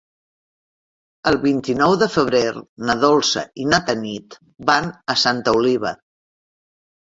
El vint-i-nou de febrer na Dolça i na Tanit van a Santa Oliva.